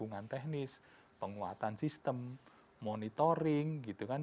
hubungan teknis penguatan sistem monitoring gitu kan